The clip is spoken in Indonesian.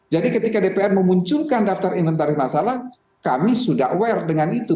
jadi ketika dpr memunculkan daftar inventaris masalah kami sudah aware dengan itu